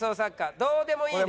「どーでもいいね」。